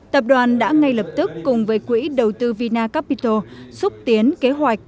tập đoàn đã ngay lập tức cùng với quỹ đầu tư vinacapital xúc tiến kế hoạch